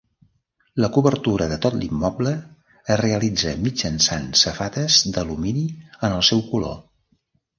La cobertura de tot l'immoble es realitza mitjançant safates d'alumini en el seu color.